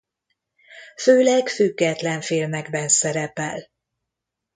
Főleg független filmekben szerepel.